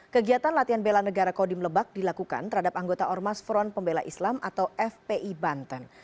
kegiatan latihan bela negara kodim lebak dilakukan terhadap anggota ormas front pembela islam atau fpi banten